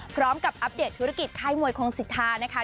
พร้อมกับอัพเดทธุรกิจค่ายมวยคงสิทธานะคะ